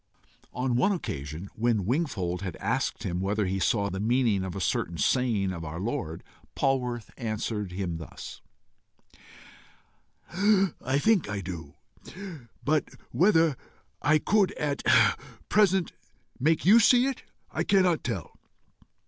On one occasion when Wingfold had asked him whether he saw the meaning of a certain saying of our Lord, Polwarth answered thus: "I think I do, but whether I could at present make you see it, I cannot tell.